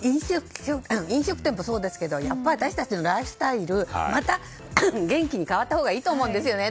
飲食店もそうですけど私たちのライフスタイルまた元気に変わったほうがいいと思うんですよね。